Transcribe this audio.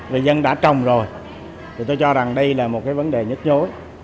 vì dân đã trồng rồi thì tôi cho rằng đây là một cái vấn đề nhất nhối